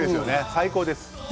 最高です。